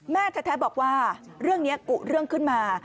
แม่แท้บอกว่าเรื่องนี้กุเรื่องขึ้นมา